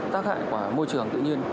tác hại của môi trường tự nhiên